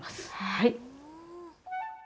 はい！